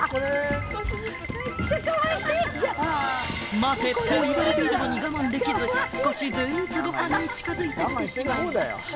待てと言われているのに我慢できず、少しずつごはんに近づいてきてしまいます。